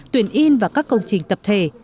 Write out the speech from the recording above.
tuyển in và các công trình tập thể